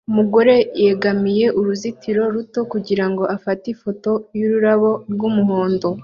Umugore yegamiye uruzitiro ruto kugirango afate ifoto yururabo rwumuhondo